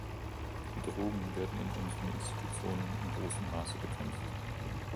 Die Drogen werden in unseren Institutionen in großem Maße bekämpft.